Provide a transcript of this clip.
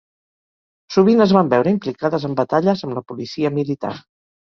Sovint es van veure implicades en batalles amb la policia militar.